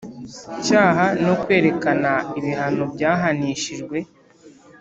Cyaha no kwerekana ibihano byahanishijwe